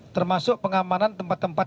termasuk pengamanan tempat tempat